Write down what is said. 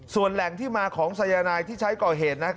ส่วนแหล่งที่มาของสายนายที่ใช้ก่อเหตุ